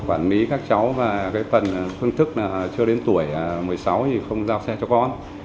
quản lý các cháu và cái phần phương thức là chưa đến tuổi một mươi sáu thì không giao xe cho con